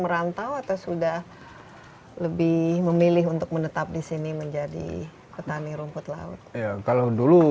merantau atau sudah lebih memilih untuk menetap di sini menjadi petani rumput laut kalau dulu